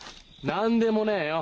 何でもねえよ。